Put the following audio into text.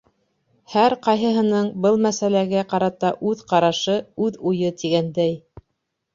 Һәр ҡайһыһының был мәсьәләгә ҡарата үҙ ҡарашы, үҙ уйы, тигәндәй.